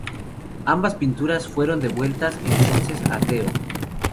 Ambas pinturas fueron devueltas entonces a Theo.